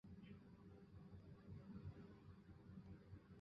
香江是一条越南中部的河流。